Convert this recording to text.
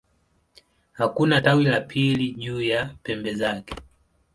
Hakuna tawi la pili juu ya pembe zake.